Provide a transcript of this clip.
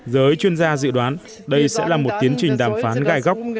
giới chuyên gia dự đoán đây sẽ là một tiến trình đàm phán gai góc